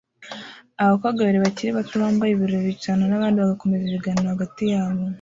Abakobwa babiri bakiri bato bambaye ibirori bicarana nabandi bagakomeza ibiganiro hagati yabo